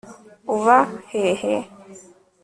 uba hehe